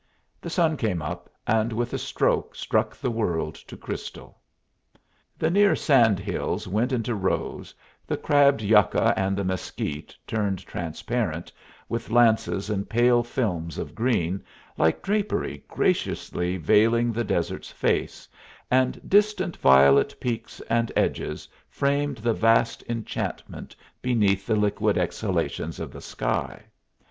The sun came up, and with a stroke struck the world to crystal. The near sand hills went into rose, the crabbed yucca and the mesquite turned transparent, with lances and pale films of green, like drapery graciously veiling the desert's face, and distant violet peaks and edges framed the vast enchantment beneath the liquid exhalations of the sky.